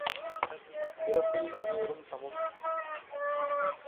பிறப்பில் அனைவரும் சமம்.